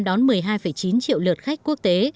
đón một mươi hai chín triệu lượt khách quốc tế